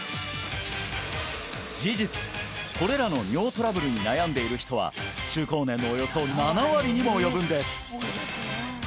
事実これらの尿トラブルに悩んでいる人は中高年のおよそ７割にも及ぶんです